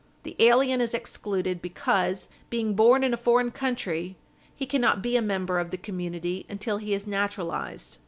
The alien is excluded because, being born in a foreign country, he cannot be a member of the community until he is naturalized.